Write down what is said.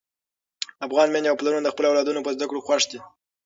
افغان میندې او پلرونه د خپلو اولادونو په زده کړو خوښ دي.